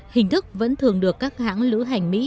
hình thức vẫn thường được các hãng lữ hành mỹ